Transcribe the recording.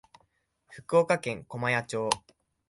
福岡県粕屋町